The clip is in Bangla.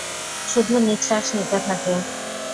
শুধু নিঃশ্বাস নিতে থাক।